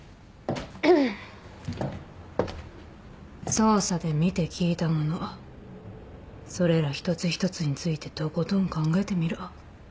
捜査で見て聞いたものそれら一つ一つについてとことん考えてみろ。